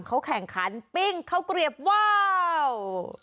เขาแข่งขันปิ้งเขากรีบว้าว